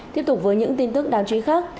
tiếp tục với những tin tức đáng chú ý khác